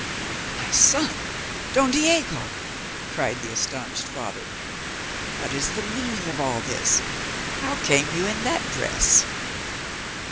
"My son, Don Diego!" cried the astonished father. "What is the meaning of all this? How came you in that dress?